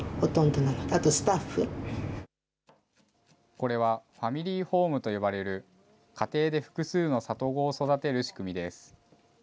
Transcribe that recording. これは、ファミリーホームと呼ばれる家庭で複数の里子を育てる仕組みです。